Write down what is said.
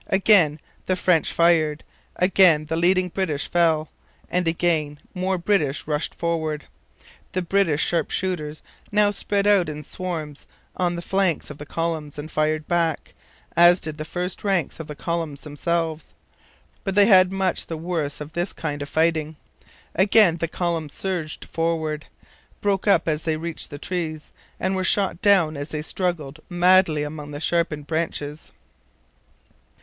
Again the French fired, again the leading British fell, and again more British rushed forward. The British sharp shooters now spread out in swarms on the flanks of the columns and fired back, as did the first ranks of the columns themselves. But they had much the worse of this kind of fighting. Again the columns surged forward, broke up as they reached the trees, and were shot down as they struggled madly among the sharpened branches.